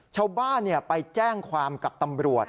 ชาวบ้านไปแจ้งความกับตำรวจ